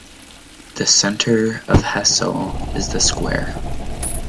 The centre of Hessle is the Square.